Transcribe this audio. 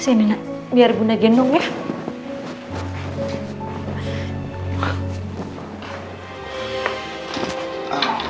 sini nak biar bunda genong ya